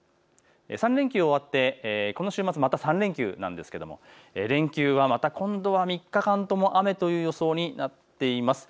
３連休終わって今週末、また３連休なんですけれども連休、また今度は３日間とも雨という予想になっています。